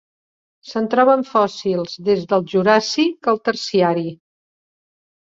Se'n troben fòssils des del juràssic al terciari.